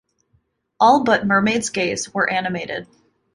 All but "Mermaid's Gaze" were animated.